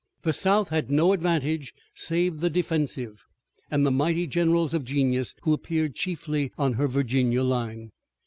The South had no advantage save the defensive, and the mighty generals of genius who appeared chiefly on her Virginia line.